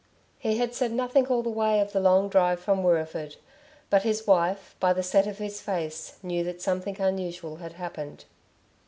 He had said nothing all the way of the long drive from Wirreeford; but his wife, by the set of his face, knew that something unusual had happened.